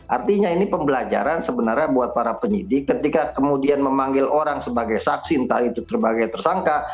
artinya ini pembelajaran sebenarnya buat para penyidik ketika kemudian memanggil orang sebagai saksi entah itu sebagai tersangka